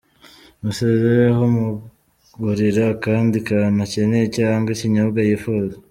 Musezereho umugurira akandi kantu akeneye cyangwa ikinyobwa yifuza;.